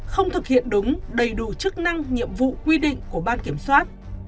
không thực hiện đúng đầy đủ chức năng nhiệm vụ quy định của ban kiểm soát